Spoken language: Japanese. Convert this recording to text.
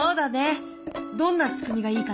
どんな仕組みがいいかな？